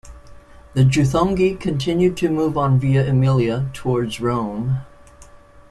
The Juthungi continued to move on Via Emilia towards Rome.